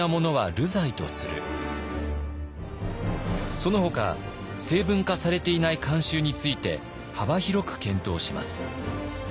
そのほか成文化されていない慣習について幅広く検討します。